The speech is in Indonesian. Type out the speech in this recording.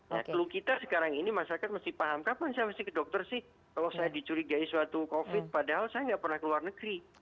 nah clue kita sekarang ini masyarakat mesti paham kapan saya mesti ke dokter sih kalau saya dicurigai suatu covid padahal saya nggak pernah ke luar negeri